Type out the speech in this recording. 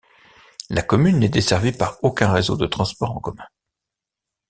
La commune n'est desservie par aucun réseau de transport en commun.